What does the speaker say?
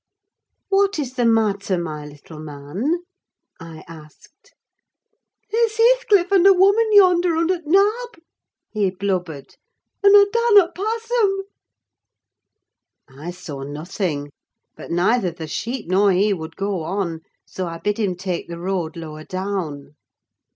"What is the matter, my little man?" I asked. "There's Heathcliff and a woman yonder, under t' nab," he blubbered, "un' I darnut pass 'em." I saw nothing; but neither the sheep nor he would go on, so I bid him take the road lower down.